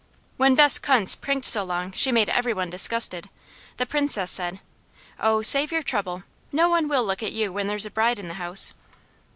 When Bess Kuntz prinked so long she made every one disgusted, the Princess said: "Oh save your trouble. No one will look at you when there's a bride in the house."